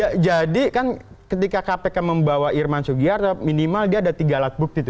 ya jadi kan ketika kpk membawa irman sugiharto minimal dia ada tiga alat bukti itu